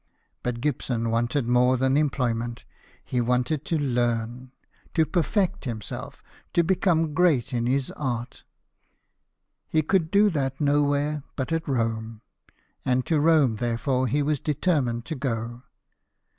But Gibson wanted more than employment ; he wanted to learn, to perfect himself, to become JOHN GIBSON, SCULPTOR. 71 great in his art. He could do that nowhere but at Rome, and to Rome therefore he was determined to go.